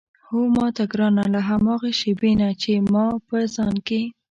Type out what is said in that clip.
هو ماته ګرانه له هماغه شېبې نه چې ما په ځان کې.